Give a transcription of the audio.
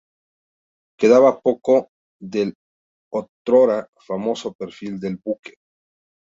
Quedaba poco del otrora famoso perfil del buque.